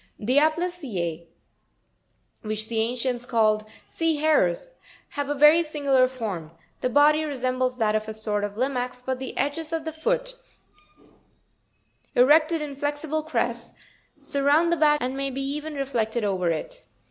38. The Aptystm, which the ancients called sea hares, have a very singular form; the body resembles that of a sort of Limax; but the edges of the foot, erected in flexible crests, surround the back and may be even reflected over it.